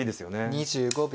２５秒。